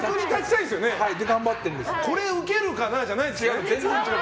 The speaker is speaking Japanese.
これ、ウケるかな？じゃないんですよ。